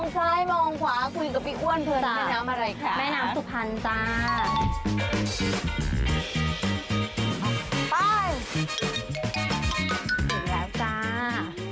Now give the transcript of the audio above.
สิ่งที่เอาจ้า